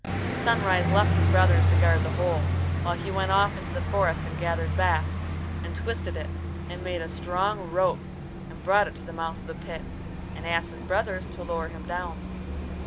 Sunrise left his brothers to guard the hole, while he went off into the forest and gathered bast, and twisted it, and made a strong rope, and brought it to the mouth of the pit, and asked his brothers to lower him down.